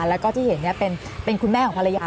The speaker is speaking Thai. แล้วก็ที่เห็นเป็นคุณแม่ของภรรยา